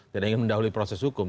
tidak ingin mendahului proses hukum